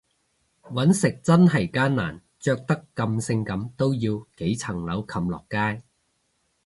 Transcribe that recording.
搵食真係艱難，着得咁性感都要幾層樓擒落街